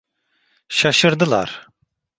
Şaşırdılar.